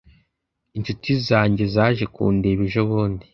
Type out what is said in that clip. inshuti zanjye zaje kundeba ejobundi